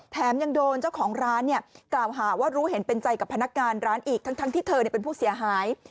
แถมยังโดนเจ้าของร้านกล่าวหาว่ารู้เห็นเป็นใจกับพนักงานร้านอีกทั้งที่เธอเป็นผู้เสียหาย